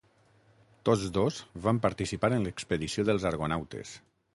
Tots dos van participar en l'expedició dels argonautes.